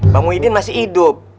bang muhyiddin masih hidup